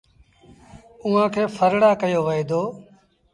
اُئآݩ کي ڦرڙآ ڪهيو وهي دو۔